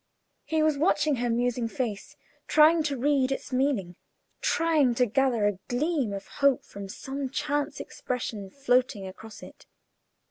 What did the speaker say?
He was watching her musing face, trying to read its meaning trying to gather a gleam of hope from some chance expression floating across it.